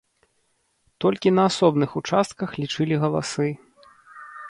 Толькі на асобных участках лічылі галасы.